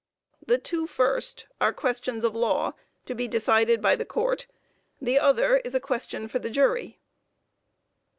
The two first are questions of law to be decided by the court, the other is a question for the jury.